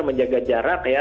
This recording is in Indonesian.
menjaga jarak ya